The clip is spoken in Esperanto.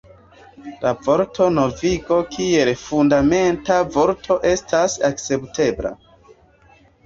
La vorto novigo kiel fundamenta vorto estas akceptebla.